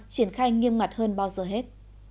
triển khai nghiêm mặt hơn bao giờ hết